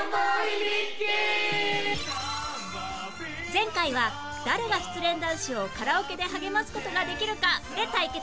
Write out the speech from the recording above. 前回は誰が失恋男子をカラオケで励ます事ができるかで対決